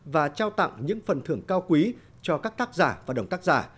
và trao tặng những phần thưởng cao quý cho các tác giả và đồng tác giả